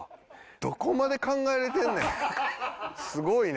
どこまで考えられてんねんすごいね。